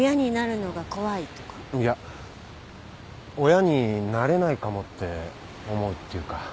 親になれないかもって思うっていうか。